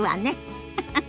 フフフ。